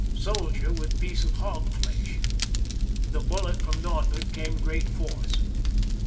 Soldier with piece of hog flesh. The bullet from Nd came great force.